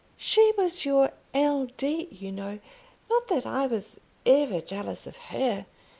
"She was your L. D., you know. Not that I was ever jealous of her.